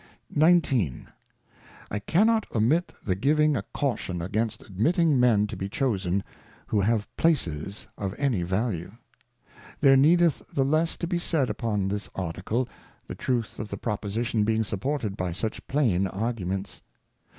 XIX. I cannot omit the giving a Caution against admitting Men to be chosen, who have Places of any value. There needeth the less to be said upon this Article, the truth of the Proposition being supported by such plain Arguments.